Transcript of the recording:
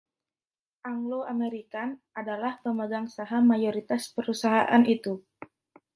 Anglo American adalah pemegang saham mayoritas perusahaan itu.